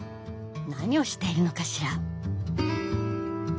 何をしているのかしら？